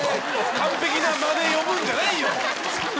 完璧な間で呼ぶんじゃないよ。